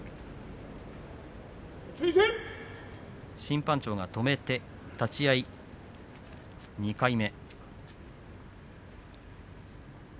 審判長が止めて立ち合い２回目。